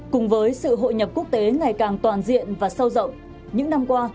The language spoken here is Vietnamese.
cùng với sự hội nhập quốc tế ngày càng toàn diện và sâu rộng những năm qua